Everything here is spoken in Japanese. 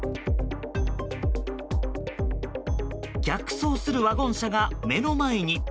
逆走するワゴン車が目の前に。